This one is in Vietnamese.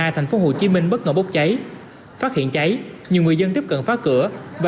thành phố hồ chí minh bất ngờ bốc cháy phát hiện cháy nhiều người dân tiếp cận phá cửa và